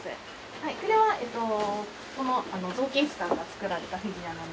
これはえーと造形師さんが作られたフィギュアなんです。